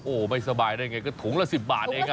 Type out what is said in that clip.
โอ้โหไม่สบายได้ไงก็ถุงละ๑๐บาทเอง